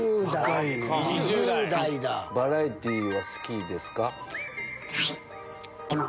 バラエティーは好きですか？